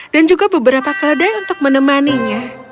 dan juga beberapa keledai untuk menemaninya